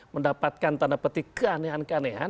mendapatkan tanda petik keanehan keanehan